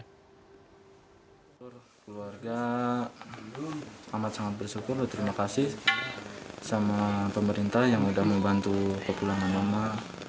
keluarga amat sangat bersyukur berterima kasih sama pemerintah yang sudah membantu kepulangan mama